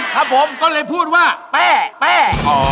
ครับผมข้าวเลยพูดว่าแป้แป้